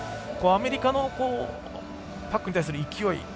アメリカのパックに対する勢い